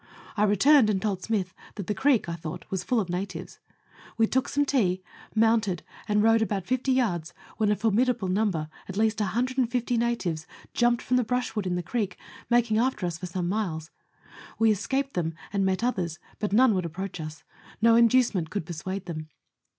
I returned and told Smyth that the creek, I thought, was full of natives. We took some tea, mounted, and rode about 50 yards, when a formidable number, at least 150 natives, jumped from the brushwood in the creek, making after us for some miles. We escaped them, and we met others, but none would approach us. No inducement could persuade them.